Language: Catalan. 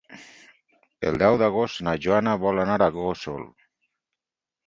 El deu d'agost na Joana vol anar a Gósol.